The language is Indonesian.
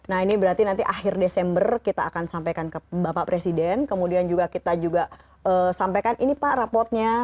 nah ini berarti nanti akhir desember kita akan sampaikan ke bapak presiden kemudian juga kita juga sampaikan ini pak raportnya